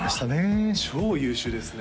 うわ超優秀ですね